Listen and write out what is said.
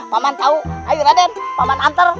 paman tahu ayo raden paman antar